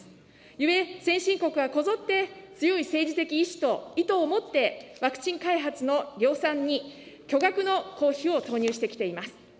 ゆえ、先進国はこぞって、強い政治的意志と意図を持って、ワクチン開発の量産に巨額の公費を投入してきています。